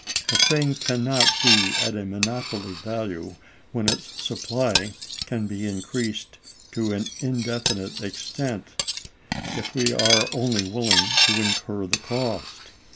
A thing can not be at a monopoly value when its supply can be increased to an indefinite extent if we are only willing to incur the cost.